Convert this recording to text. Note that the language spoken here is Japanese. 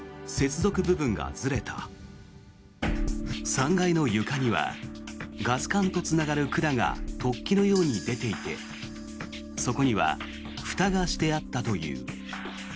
３階の床にはガス管とつながる管が突起のように出ていてそこにはふたがしてあったという。